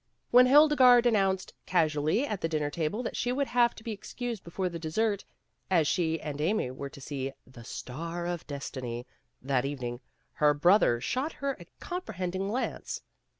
When Hildegarde announced casually at the dinner table that she would have to be excused before the desert, as she and Amy were to see the "Star of Destiny" that evening, her brother shot her a comprehending glance.